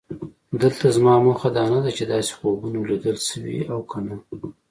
دلته زما موخه دا نه ده چې داسې خوبونه لیدل شوي او که نه.